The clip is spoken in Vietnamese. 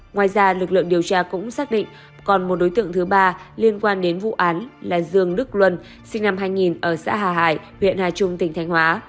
ngoài ra lực lượng điều tra cũng xác định còn một đối tượng thứ ba liên quan đến vụ án là dương đức luân sinh năm hai nghìn ở xã hà hải huyện hà trung tỉnh thanh hóa